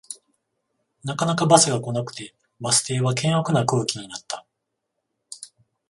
なかなかバスが来なくてバス停は険悪な空気になった